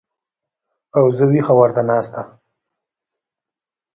او زه وېښه ورته ناسته